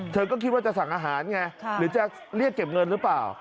เธอก็คิดว่าจะสั่งอาหารไงหรือจะเรียกเก็บเงินหรือเปล่า